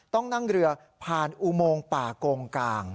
ต้องนั่งเรือผ่านอุโมงป่ากงกลาง